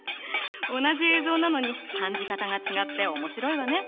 同じ映像なのに感じ方が違って面白いわね！